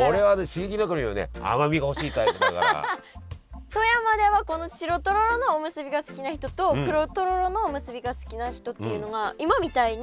刺激の中にもね富山ではこの白とろろのおむすびが好きな人と黒とろろのおむすびが好きな人っていうのが今みたいに。